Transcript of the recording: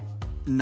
何？